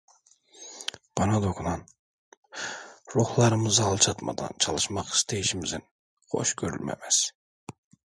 Bana dokunan, ruhlarımızı alçaltmadan çalışmak isteyişimizin hoş görülmemesi…